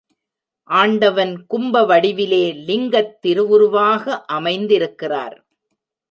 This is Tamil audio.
ஆண்டவன் கும்பவடிவிலே லிங்கத் திருவுருவாக அமைந்திருக்கிறார்.